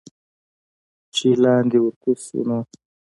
چې لاندې ورکوز شو نو